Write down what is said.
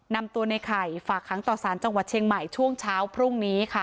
นำตัวในไข่ฝากค้างต่อสารจังหวัดเชียงใหม่ช่วงเช้าพรุ่งนี้ค่ะ